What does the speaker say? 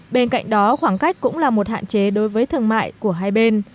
bên cạnh đó khoảng cách cũng là một hạn chế đối với thương mại của hai bên